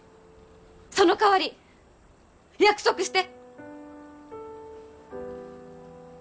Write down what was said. そのかわり約束して！